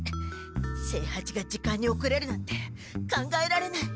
清八が時間に遅れるなんて考えられない。